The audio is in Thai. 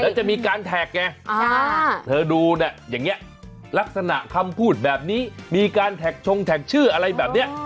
แล้วจะมีการแท็กไงเธอดูเนี่ยอย่างนี้ลักษณะคำพูดแบบนี้มีการแท็กชงแท็กชื่ออะไรแบบนี้